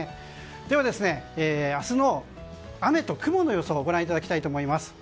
では、明日の雨と雲の予想をご覧いただきたいと思います。